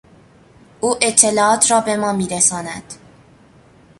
او اطلاعات را به ما میرساند.